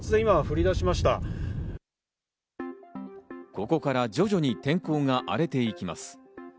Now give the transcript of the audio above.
ここから徐々に天候が荒れていきます。